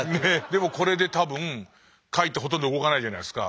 でもこれで多分貝ってほとんど動かないじゃないですか。